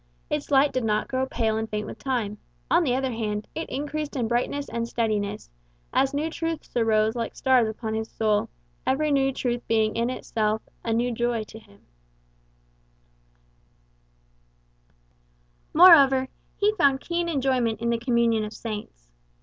Its light did not grow pale and faint with time; on the other hand, it increased in brightness and steadiness, as new truths arose like stars upon his soul, every new truth being in itself "a new joy" to him. Moreover, he found keen enjoyment in the communion of saints.